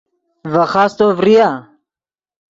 ڤے خاستو ڤریا